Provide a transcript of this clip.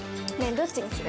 どっちにする？